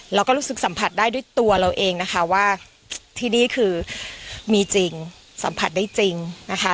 เราก็รู้สึกสัมผัสได้ด้วยตัวเราเองนะคะว่าที่นี่คือมีจริงสัมผัสได้จริงนะคะ